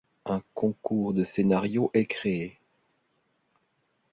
Un concours de scénarios est créé.